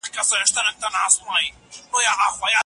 - محمد اسماعیل مبلغ، ليکوال او څيړونکی.